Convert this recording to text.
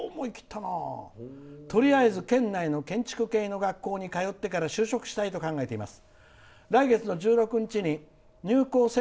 とりあえず県内の建築系の学校に通ってから就職したいと思っています。